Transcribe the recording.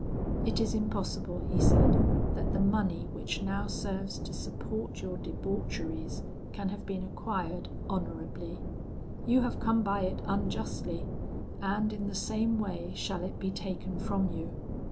'It is impossible,' he said, 'that the money which now serves to support your debaucheries can have been acquired honourably. You have come by it unjustly, and in the same way shall it be taken from you.